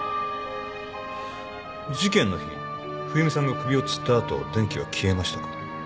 事件の日冬美さんが首をつった後電気は消えましたか？